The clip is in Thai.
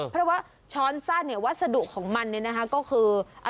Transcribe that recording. เพราะว่าช้อนสั้นเนี่ยวัสดุของมันเนี่ยนะคะก็คือ